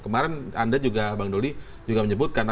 kemarin anda juga bang doli juga menyebutkan